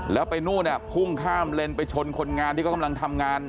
แล้วไปนู่นพุ่งข้ามเลนไปชนคนงานที่เขากำลังทำงาน